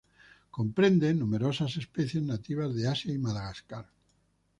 Comprende numerosas especies nativas de Asia y Madagascar.